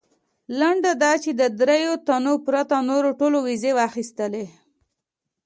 لنډه دا چې د درېیو تنو پرته نورو ټولو ویزې واخیستلې.